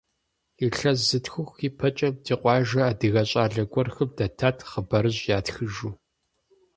Илъэс зытхух и пэкӏэ, ди къуажэ адыгэ щӏалэ гуэрхэр дэтат хъыбарыжь ятхыжу.